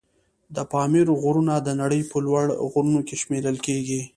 د پامیر غرونه د نړۍ په لوړ غرونو کې شمېرل کېږي.